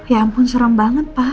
ya ampun serem banget pak